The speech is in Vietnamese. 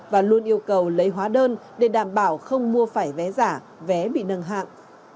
và luôn yêu cầu lấy hóa đơn để đảm bảo không mua phải vé giả vé bị nâng hạng